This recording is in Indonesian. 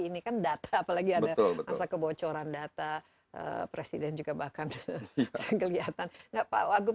ini kan data apalagi ada masa kebocoran data presiden juga bahkan kelihatan enggak pak wagub